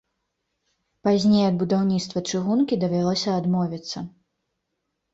Пазней ад будаўніцтва чыгункі давялося адмовіцца.